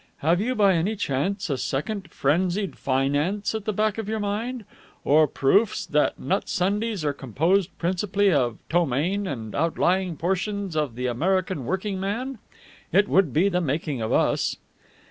Have you by any chance a second 'Frenzied Finance' at the back of your mind? Or proofs that nut sundaes are composed principally of ptomaine and outlying portions of the American workingman? It would be the making of us."